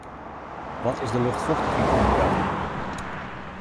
Wat is de luchtfochtichheid yn 'e kelder?